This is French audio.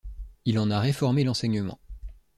Il en a réformé l'enseignement.